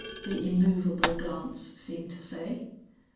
the immovable glance seemed to say.